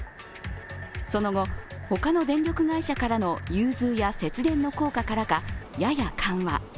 その後、他の電力会社からの融通や節電の効果からか、やや緩和